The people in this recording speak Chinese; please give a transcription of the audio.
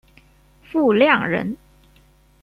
傅亮人。